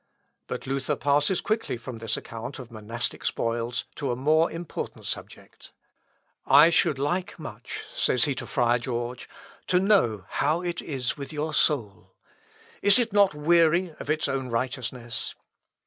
But Luther passes quickly from this account of monastic spoils to a more important subject. "I should like much," says he to friar George, "to know how it is with your soul. Is it not weary of its own righteousness?